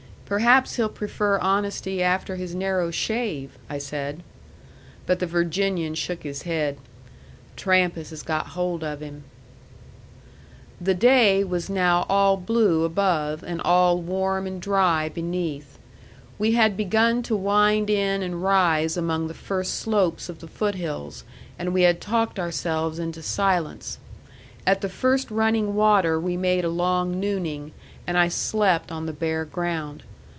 "Perhaps he'll prefer honesty after his narrow shave," I said. But the Virginian shook his head. "Trampas has got hold of him." The day was now all blue above, and all warm and dry beneath. We had begun to wind in and rise among the first slopes of the foot hills, and we had talked ourselves into silence. At the first running water we made a long nooning, and I slept on the bare ground.